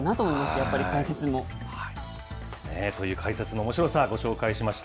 やっぱり解説も。という解説のおもしろさ、ご紹介しました。